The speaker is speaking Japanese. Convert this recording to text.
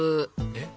えっ？